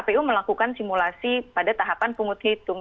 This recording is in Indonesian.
jadi kita sudah melakukan simulasi pada tahapan pengut hitung